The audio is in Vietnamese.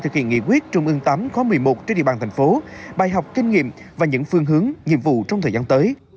thực hiện nghị quyết trung ương viii khóa một mươi một trên địa bàn thành phố bài học kinh nghiệm và những phương hướng nhiệm vụ trong thời gian tới